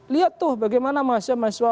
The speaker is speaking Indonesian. lihat tuh bagaimana mahasiswa